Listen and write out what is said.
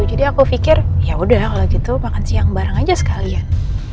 jadi aku pikir ya udah kalau gitu makan siang bareng aja sekalian